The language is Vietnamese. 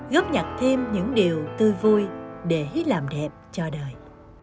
góp nhặt thêm những điều tư vui để làm đẹp cho đời